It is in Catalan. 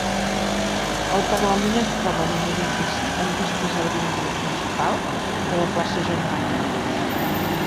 El Parlament es troba en un edifici amb vistes a l'avinguda principal i a la plaça John Mackintosh.